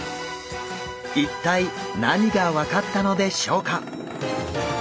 一体何が分かったのでしょうか？